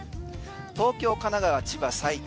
東京、神奈川、千葉、埼玉